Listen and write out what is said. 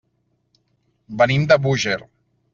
Venim de Búger.